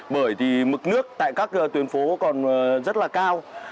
bởi thì mực nước tại các tuyến phố còn rất là cao